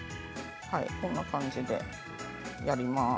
こんな感じでやります。